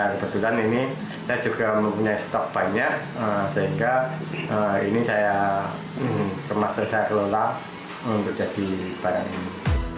kebetulan ini saya juga mempunyai stok banyak sehingga ini saya kemas dan saya kelola untuk jadi barang ini